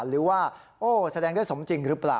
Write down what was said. หรือว่าโอ้แสดงได้สมจริงหรือเปล่า